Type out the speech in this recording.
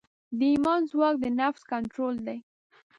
د ایمان ځواک د نفس کنټرول دی.